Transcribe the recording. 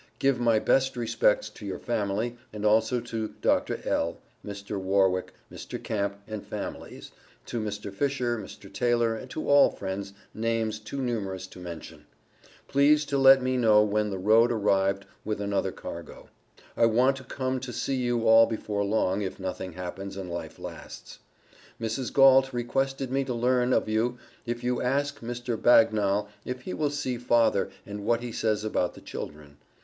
Give my best respects to your family and also to Dr. L., Mr. Warrick, Mr. Camp and familys, to Mr. Fisher, Mr. Taylor to all Friends names too numerous to mention. Please to let me know when the road arrived with another cargo. I want to come to see you all before long, if nothing happens and life lasts. Mrs. Gault requested me to learn of you if you ask Mr. Bagnal if he will see father and what he says about the children.